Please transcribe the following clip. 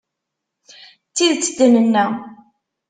D tidet i d-nenna;